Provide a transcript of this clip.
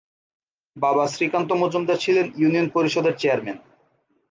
বাবা শ্রীকান্ত মজুমদার ছিলেন ইউনিয়ন পরিষদের চেয়ারম্যান।